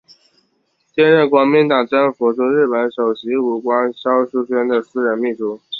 兼任国民党政府驻日本首席武官肖叔宣的私人秘书。